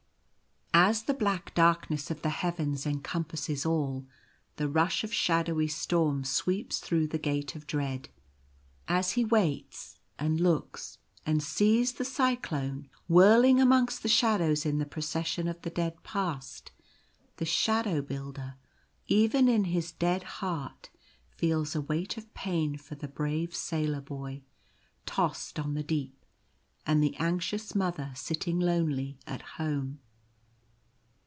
86 The Castaway. As the black darkness of the heavens encompasses all, the rush of shadowy storm sweeps through the Gate of Dread. As he waits and looks and sees the cyclone whirling amongst the shadows in the Procession of the Dead Past, the Shadow Builder, even in his dead heart, feels a weight of pain for the brave Sailor Boy tossed on the deep, and the anxious Mother sitting lonely at home.